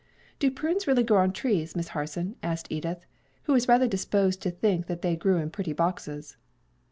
"Do prunes really grow on trees, Miss Harson?" asked Edith, who was rather disposed to think that they grew in pretty boxes.